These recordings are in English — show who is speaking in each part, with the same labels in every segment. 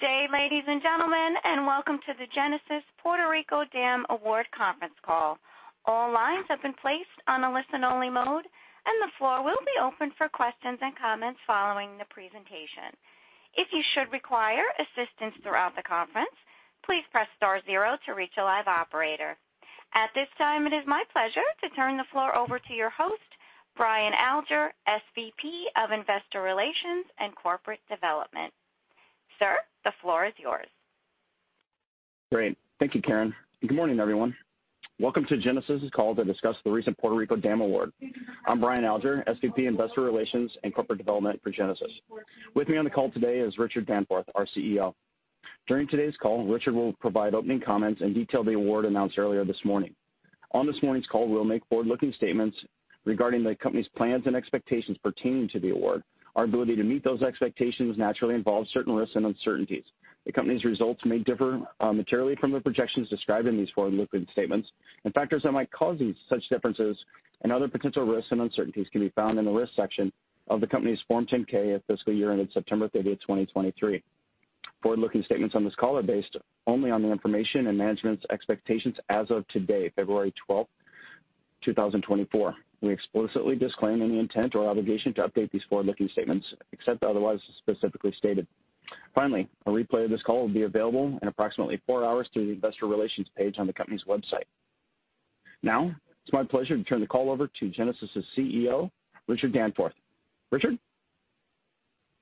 Speaker 1: Good day, ladies and gentlemen, and welcome to the Genasys Puerto Rico Dam Award conference call. All lines have been placed on a listen-only mode, and the floor will be open for questions and comments following the presentation. If you should require assistance throughout the conference, please press star zero to reach a live operator. At this time, it is my pleasure to turn the floor over to your host, Brian Alger, SVP of Investor Relations and Corporate Development. Sir, the floor is yours.
Speaker 2: Great. Thank you, Karen. Good morning, everyone. Welcome to Genasys's call to discuss the recent Puerto Rico Dam Award. I'm Brian Alger, SVP Investor Relations and Corporate Development for Genasys. With me on the call today is Richard Danforth, our CEO. During today's call, Richard will provide opening comments and detail the award announced earlier this morning. On this morning's call, we'll make forward-looking statements regarding the company's plans and expectations pertaining to the award. Our ability to meet those expectations naturally involves certain risks and uncertainties. The company's results may differ materially from the projections described in these forward-looking statements, and factors that might cause these such differences and other potential risks and uncertainties can be found in the risk section of the company's Form 10-K of fiscal year ended September 30th, 2023. Forward-looking statements on this call are based only on the information and management's expectations as of today, February 12th, 2024. We explicitly disclaim any intent or obligation to update these forward-looking statements except otherwise specifically stated. Finally, a replay of this call will be available in approximately four hours through the Investor Relations page on the company's website. Now, it's my pleasure to turn the call over to Genasys's CEO, Richard Danforth. Richard?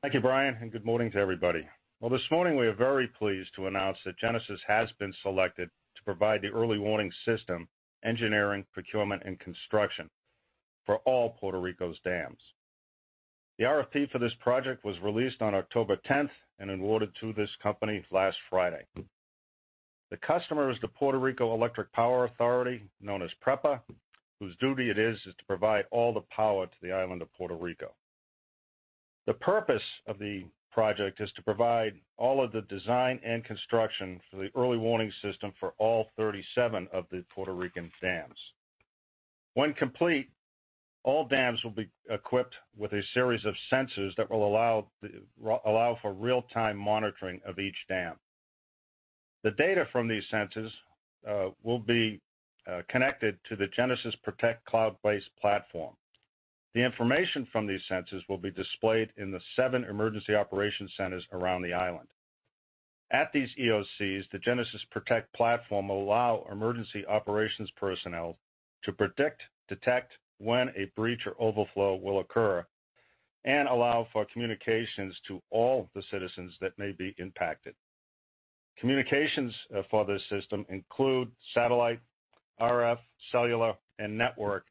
Speaker 3: Thank you, Brian, and good morning to everybody. Well, this morning we are very pleased to announce that Genasys has been selected to provide the early warning system engineering, procurement, and construction for all Puerto Rico's dams. The RFP for this project was released on October 10th and awarded to this company last Friday. The customer is the Puerto Rico Electric Power Authority, known as PREPA, whose duty it is to provide all the power to the island of Puerto Rico. The purpose of the project is to provide all of the design and construction for the early warning system for all 37 of the Puerto Rican dams. When complete, all dams will be equipped with a series of sensors that will allow for real-time monitoring of each dam. The data from these sensors will be connected to the Genasys Protect cloud-based platform. The information from these sensors will be displayed in the seven emergency operations centers around the island. At these EOCs, the Genasys Protect platform will allow emergency operations personnel to predict, detect when a breach or overflow will occur, and allow for communications to all the citizens that may be impacted. Communications for this system include satellite, RF, cellular, and network,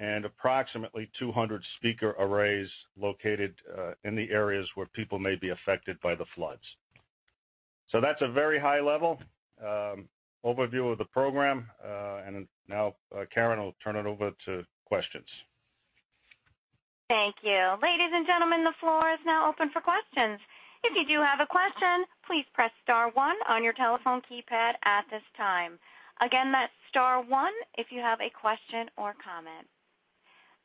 Speaker 3: and approximately 200 speaker arrays located in the areas where people may be affected by the floods. So that's a very high-level overview of the program, and now Karen will turn it over to questions.
Speaker 1: Thank you. Ladies and gentlemen, the floor is now open for questions. If you do have a question, please press star one on your telephone keypad at this time. Again, that's star one if you have a question or comment.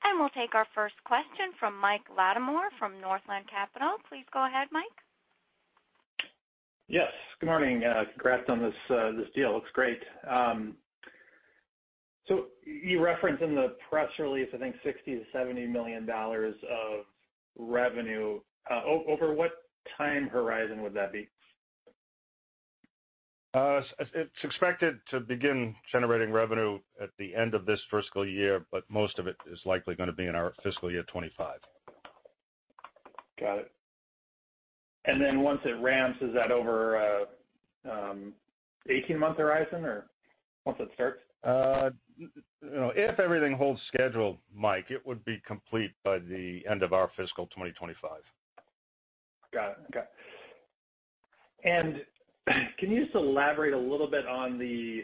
Speaker 1: And we'll take our first question from Mike Latimore from Northland Capital Markets. Please go ahead, Mike.
Speaker 4: Yes. Good morning. Congrats on this, this deal. Looks great. So you referenced in the press release, I think, $60 million-$70 million of revenue. Over what time horizon would that be?
Speaker 3: It's expected to begin generating revenue at the end of this fiscal year, but most of it is likely gonna be in our fiscal year 2025.
Speaker 4: Got it. And then once it ramps, is that over a 18-month horizon or once it starts?
Speaker 3: You know, if everything holds schedule, Mike, it would be complete by the end of our fiscal 2025.
Speaker 4: Got it. Okay. And can you just elaborate a little bit on the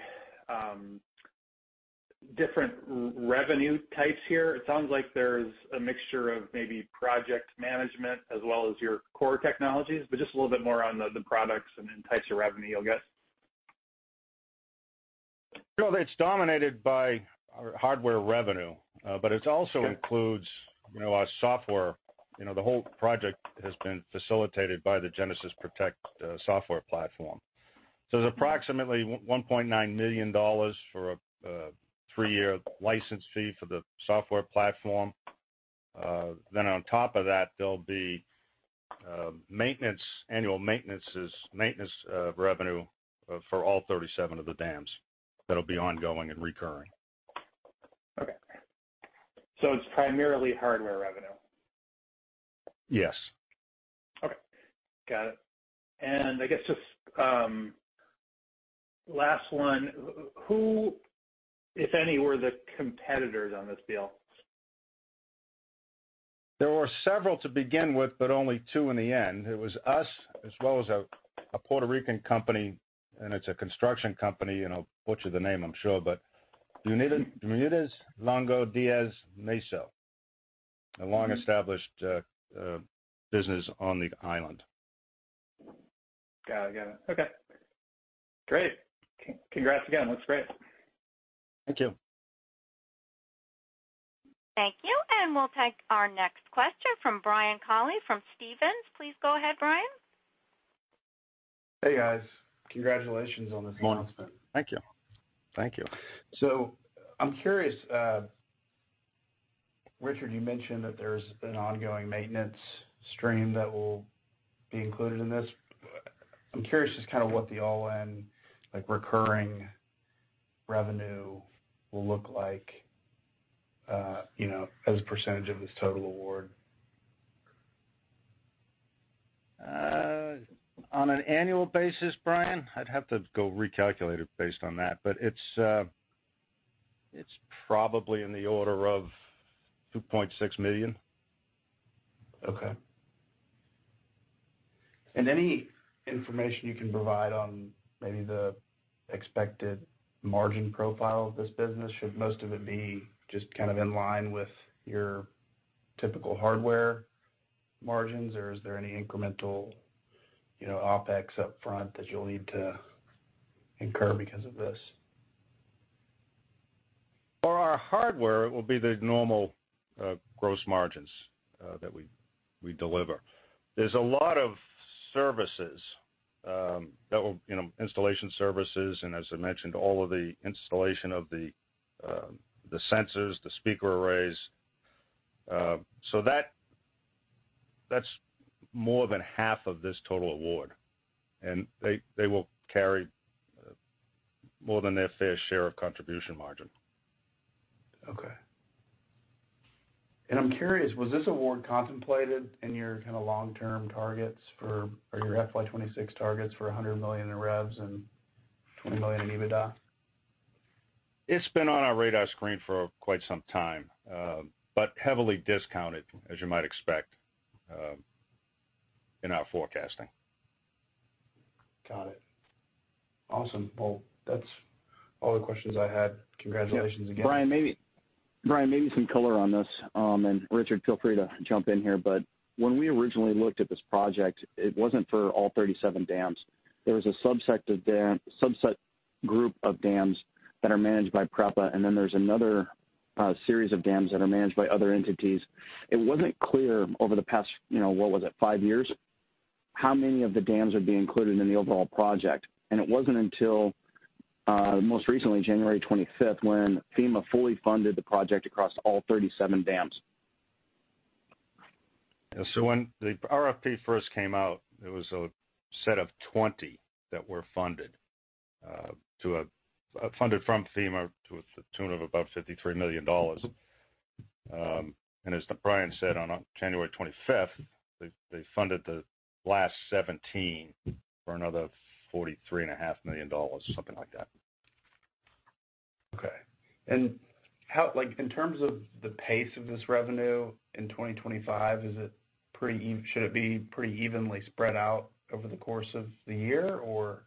Speaker 4: different revenue types here? It sounds like there's a mixture of maybe project management as well as your core technologies, but just a little bit more on the products and types of revenue you'll get.
Speaker 3: Well, it's dominated by hardware revenue, but it also includes, you know, our software. You know, the whole project has been facilitated by the Genasys Protect software platform. So there's approximately $1.9 million for a three-year license fee for the software platform. Then on top of that, there'll be annual maintenance revenue for all 37 of the dams that'll be ongoing and recurring.
Speaker 4: Okay. So it's primarily hardware revenue?
Speaker 3: Yes.
Speaker 4: Okay. Got it. And I guess just, last one, who, if any, were the competitors on this deal?
Speaker 3: There were several to begin with, but only two in the end. It was us as well as a Puerto Rican company, and it's a construction company. You know, butcher the name, I'm sure, but Bermúdez, Longo, Díaz-Massó, the long-established business on the island.
Speaker 4: Got it. Got it. Okay. Great. Congrats again. Looks great.
Speaker 3: Thank you.
Speaker 1: Thank you. We'll take our next question from Brian Colley from Stephens. Please go ahead, Brian.
Speaker 5: Hey, guys. Congratulations on this announcement.
Speaker 2: Morning, Spencer. Thank you. Thank you.
Speaker 5: I'm curious, Richard, you mentioned that there's an ongoing maintenance stream that will be included in this. I'm curious just kinda what the all-in, like, recurring revenue will look like, you know, as a percentage of this total award.
Speaker 3: On an annual basis, Brian, I'd have to go recalculate it based on that, but it's, it's probably in the order of $2.6 million.
Speaker 5: Okay. And any information you can provide on maybe the expected margin profile of this business, should most of it be just kind of in line with your typical hardware margins, or is there any incremental, you know, OPEX upfront that you'll need to incur because of this?
Speaker 3: For our hardware, it will be the normal gross margins that we deliver. There's a lot of services that will, you know, installation services, and as I mentioned, all of the installation of the sensors, the speaker arrays. So that's more than half of this total award, and they will carry more than their fair share of contribution margin.
Speaker 5: Okay. And I'm curious, was this award contemplated in your kinda long-term targets, or your FY26 targets for $100 million in revs and $20 million in EBITDA?
Speaker 3: It's been on our radar screen for quite some time, but heavily discounted, as you might expect, in our forecasting.
Speaker 5: Got it. Awesome. Well, that's all the questions I had. Congratulations again.
Speaker 2: Yeah. Brian, maybe Brian, maybe some color on this. And Richard, feel free to jump in here, but when we originally looked at this project, it wasn't for all 37 dams. There was a subset of dams, subset group of dams that are managed by PREPA, and then there's another series of dams that are managed by other entities. It wasn't clear over the past, you know, what was it, five years, how many of the dams would be included in the overall project. And it wasn't until, most recently, January 25th, when FEMA fully funded the project across all 37 dams.
Speaker 3: Yeah. So when the RFP first came out, it was a set of 20 that were funded to a tune of above $53 million from FEMA. And as Brian said, on January 25th, they, they funded the last 17 for another $43.5 million, something like that.
Speaker 5: Okay. And how, like, in terms of the pace of this revenue in 2025, is it pretty even? Should it be pretty evenly spread out over the course of the year or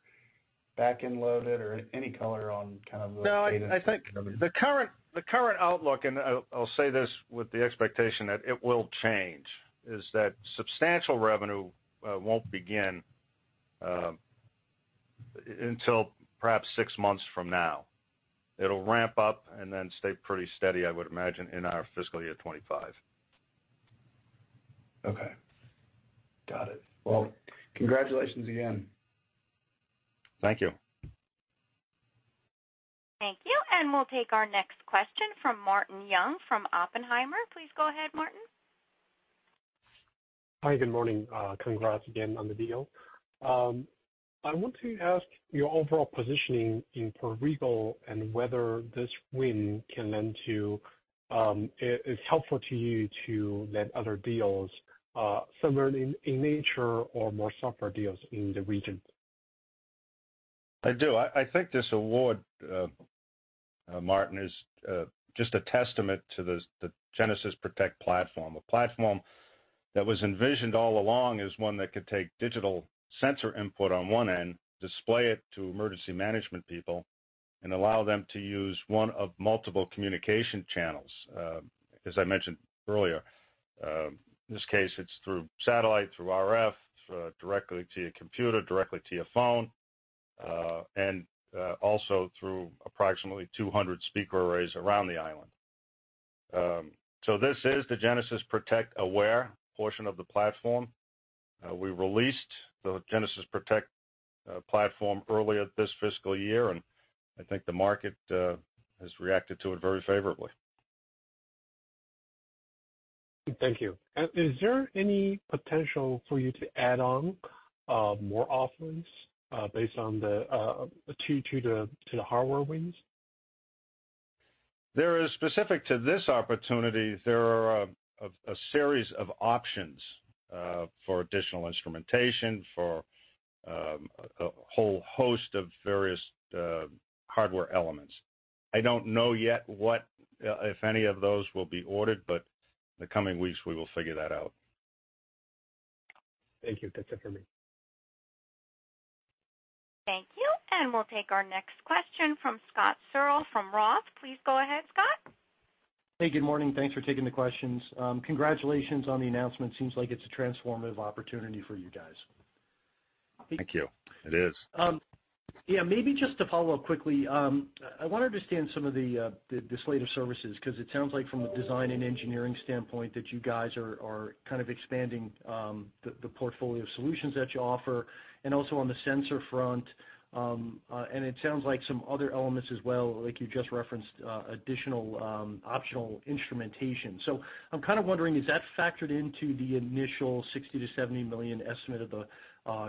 Speaker 5: back-end loaded, or any color on kind of the dates?
Speaker 3: No, I think the current outlook and I'll say this with the expectation that it will change, is that substantial revenue won't begin until perhaps six months from now. It'll ramp up and then stay pretty steady, I would imagine, in our fiscal year 2025.
Speaker 5: Okay. Got it. Well, congratulations again.
Speaker 3: Thank you.
Speaker 1: Thank you. We'll take our next question from Martin Yang from Oppenheimer. Please go ahead, Martin.
Speaker 6: Hi. Good morning. Congrats again on the deal. I want to ask your overall positioning in Puerto Rico and whether this win can lend to is helpful to you to lend other deals, similar in nature or more software deals in the region.
Speaker 3: I do. I, I think this award, Martin, is just a testament to the Genasys Protect platform, a platform that was envisioned all along as one that could take digital sensor input on one end, display it to emergency management people, and allow them to use one of multiple communication channels, as I mentioned earlier. In this case, it's through satellite, through RF, directly to your computer, directly to your phone, and also through approximately 200 speaker arrays around the island. So this is the Genasys Protect Aware portion of the platform. We released the Genasys Protect platform earlier this fiscal year, and I think the market has reacted to it very favorably.
Speaker 6: Thank you. Is there any potential for you to add on more offerings based on the to the hardware wins?
Speaker 3: There is specific to this opportunity, there are a series of options for additional instrumentation for a whole host of various hardware elements. I don't know yet what, if any of those will be ordered, but in the coming weeks, we will figure that out.
Speaker 6: Thank you. That's it for me.
Speaker 1: Thank you. And we'll take our next question from Scott Searle from Roth. Please go ahead, Scott.
Speaker 7: Hey. Good morning. Thanks for taking the questions. Congratulations on the announcement. Seems like it's a transformative opportunity for you guys.
Speaker 3: Thank you. It is.
Speaker 7: Yeah. Maybe just to follow up quickly, I wanna understand some of the slate of services 'cause it sounds like from a design and engineering standpoint that you guys are kind of expanding the portfolio of solutions that you offer, and also on the sensor front, and it sounds like some other elements as well, like you just referenced additional optional instrumentation. So I'm kinda wondering, is that factored into the initial $60 million-$70 million estimate of the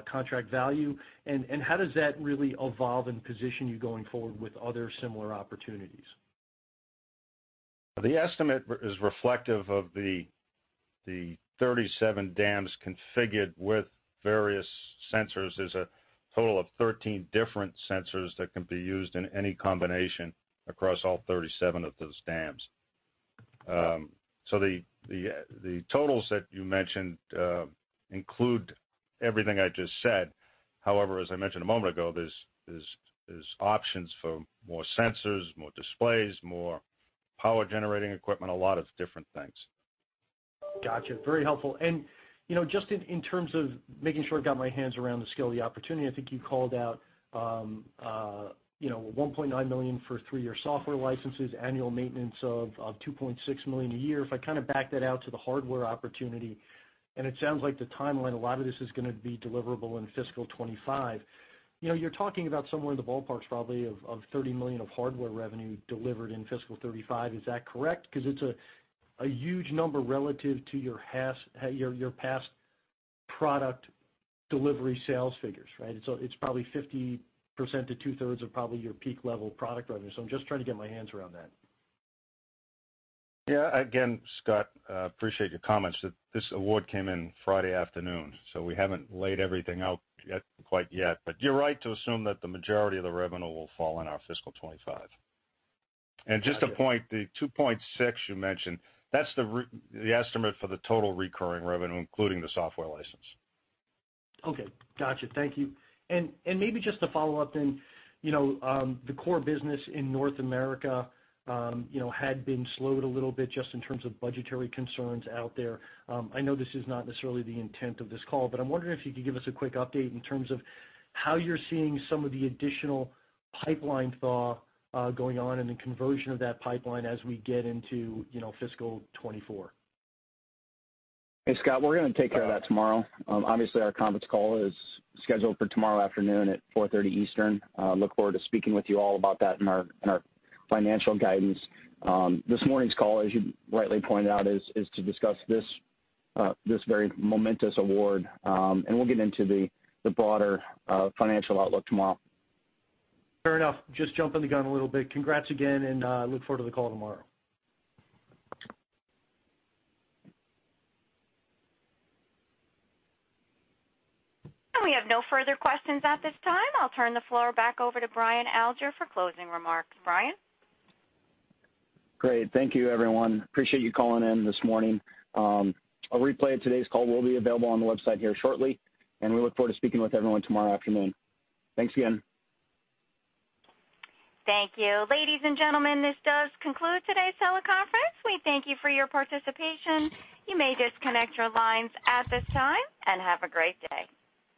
Speaker 7: contract value? And how does that really evolve and position you going forward with other similar opportunities?
Speaker 3: The estimator is reflective of the 37 dams configured with various sensors. There's a total of 13 different sensors that can be used in any combination across all 37 of those dams. So the totals that you mentioned include everything I just said. However, as I mentioned a moment ago, there's options for more sensors, more displays, more power-generating equipment, a lot of different things.
Speaker 7: Gotcha. Very helpful. You know, just in terms of making sure I've got my hands around the scale of the opportunity, I think you called out, you know, $1.9 million for three-year software licenses, annual maintenance of $2.6 million a year. If I kinda back that out to the hardware opportunity, and it sounds like the timeline, a lot of this is gonna be deliverable in fiscal 2025. You know, you're talking about somewhere in the ballpark, probably, of $30 million of hardware revenue delivered in fiscal 2035. Is that correct? 'Cause it's a huge number relative to your past hardware, your past product delivery sales figures, right? It's probably 50% to two-thirds of probably your peak-level product revenue. So I'm just trying to get my hands around that.
Speaker 3: Yeah. Again, Scott, appreciate your comments. This award came in Friday afternoon, so we haven't laid everything out quite yet. But you're right to assume that the majority of the revenue will fall in our fiscal 2025. And just to point to the 2.6 you mentioned, that's the estimate for the total recurring revenue, including the software license.
Speaker 7: Okay. Gotcha. Thank you. And maybe just to follow up then, you know, the core business in North America, you know, had been slowed a little bit just in terms of budgetary concerns out there. I know this is not necessarily the intent of this call, but I'm wondering if you could give us a quick update in terms of how you're seeing some of the additional pipeline thaw going on and the conversion of that pipeline as we get into, you know, fiscal 2024.
Speaker 2: Hey, Scott. We're gonna take care of that tomorrow. Obviously, our conference call is scheduled for tomorrow afternoon at 4:30 P.M. Eastern. Look forward to speaking with you all about that in our financial guidance. This morning's call, as you rightly pointed out, is to discuss this very momentous award. And we'll get into the broader financial outlook tomorrow.
Speaker 7: Fair enough. Just jumping the gun a little bit. Congrats again, and look forward to the call tomorrow.
Speaker 1: We have no further questions at this time. I'll turn the floor back over to Brian Alger for closing remarks. Brian?
Speaker 2: Great. Thank you, everyone. Appreciate you calling in this morning. A replay of today's call will be available on the website here shortly, and we look forward to speaking with everyone tomorrow afternoon. Thanks again.
Speaker 1: Thank you. Ladies and gentlemen, this does conclude today's teleconference. We thank you for your participation. You may disconnect your lines at this time and have a great day.